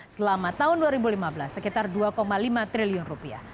selama tahun dua ribu lima belas sekitar dua lima triliun rupiah